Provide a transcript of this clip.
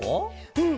うん。